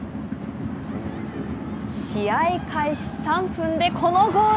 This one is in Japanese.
試合開始３分で、このゴール。